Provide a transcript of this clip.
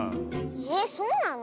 えっそうなの？